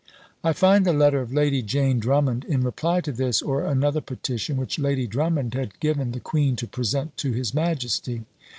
I find a letter of Lady Jane Drummond, in reply to this or another petition, which Lady Drummond had given the queen to present to his majesty.